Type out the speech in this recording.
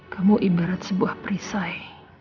kamu ibarat sebuah perisai